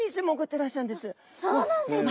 そうなんですか。